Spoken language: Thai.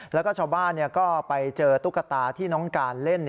แล้วก็ชาวบ้านก็ไปเจอตุ๊กตาที่น้องการเล่น